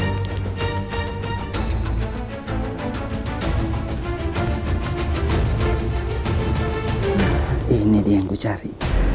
nah ini dia yang gue cari